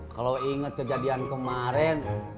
kalau inget kejadian kemarin